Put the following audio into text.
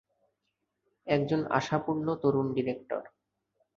একজন আশাপুর্ণ তরুণ ডিরেক্টর।